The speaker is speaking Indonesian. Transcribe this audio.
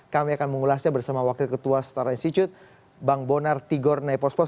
kami akan mengulasnya bersama wakil ketua setara institute bang bonar tigor naypospos